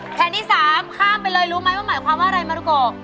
แผ่นที่๓ข้ามไปเลยรู้ไหมว่าหมายความว่าอะไรมารุโก